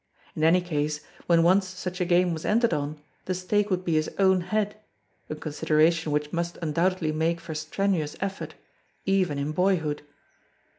In any case when once such a game was entered on, the stake would be his own head a consideration which must undoubtedly make for strenuous effort even in boyhood.